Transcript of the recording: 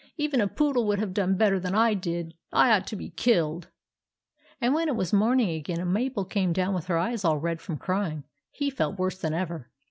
" Even a poodle would have done better than I did. I ought to be killed." And when it was morning again, and Mabel came down with her eyes all red from crying, he felt worse than ever.